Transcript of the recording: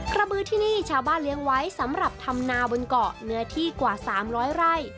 บือที่นี่ชาวบ้านเลี้ยงไว้สำหรับทำนาบนเกาะเนื้อที่กว่า๓๐๐ไร่